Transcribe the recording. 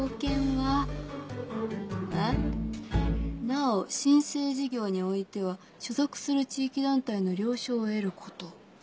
「なお申請事業においては所属する地域団体の了承を得ること」。